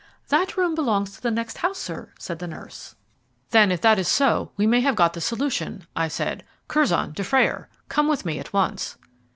"That room belongs to the next house, sir," said the nurse. "Then, if that is so, we may have got the solution," I said. "Curzon, Dufrayer, come with me at once."